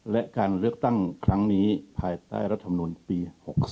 และการเลือกตั้งครั้งนี้ภายใต้รัฐมนุนปี๖๓